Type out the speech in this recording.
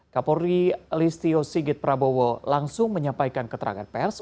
kapolri listio sigit prabowo langsung menyampaikan keterangan pers